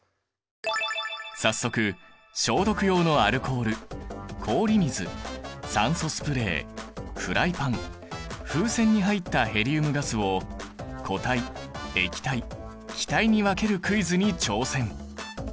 早速消毒用のアルコール氷水酸素スプレーフライパン風船に入ったヘリウムガスを固体液体気体に分けるクイズに挑戦！